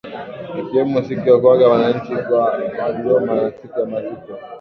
Ikiwemo siku ya kuaga wananchi wa dodoma na siku ya maziko